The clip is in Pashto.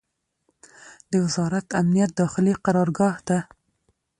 د وزارت امنیت داخلي قرارګاه ته